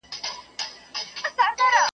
موږ اصیل یو د اصیل نیکه زامن یو .